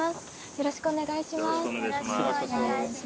よろしくお願いします。